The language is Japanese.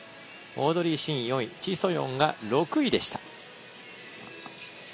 オードリー・シン、４位チ・ソヨンが６位でした。